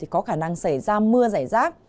có khả năng xảy ra mưa